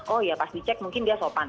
oh ya pas dicek mungkin dia sopan